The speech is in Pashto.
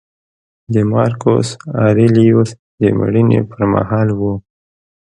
د مارکوس اریلیوس د مړینې پرمهال و